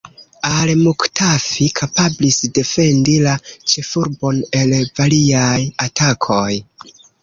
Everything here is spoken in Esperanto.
Al-Muktafi kapablis defendi la ĉefurbon el variaj atakoj.